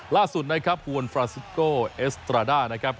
ล่าสุดนะครับฮวนฟราซิโกเอสตราด้านะครับ